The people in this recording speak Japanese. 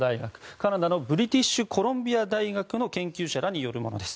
カナダのブリティッシュコロンビア大学の研究者らによるものです。